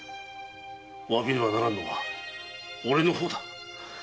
詫びねばならぬのは俺の方だ。